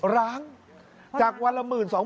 ร้างจากวันละ๑๐๐๐๐๒๐๐๐๐บริษัท